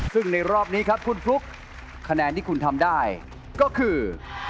ซึ่งในรอบนี้ครับคุณฟลุ๊กคะแนนที่คุณทำได้ก็คือ